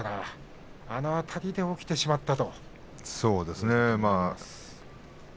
あのあたりで起きてしまった。